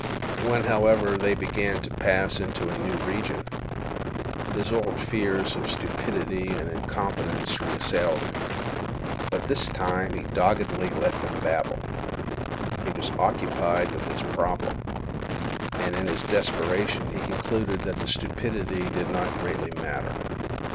When, however, they began to pass into a new region, his old fears of stupidity and incompetence reassailed him, but this time he doggedly let them babble. He was occupied with his problem, and in his desperation he concluded that the stupidity did not greatly matter.